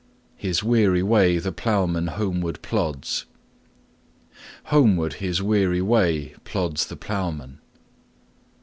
His weary way the ploughman homeward plods. Homeward his weary way plods the ploughman.